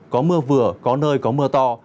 có mưa vừa có nơi có mưa to